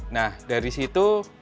nah dari simulatornya